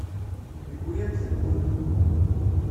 Yewwi-yam-tent-id.